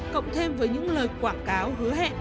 cộng thêm với những lời quảng cáo hứa hẹn